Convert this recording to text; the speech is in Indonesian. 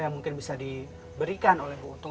yang mungkin bisa diberikan oleh bu oto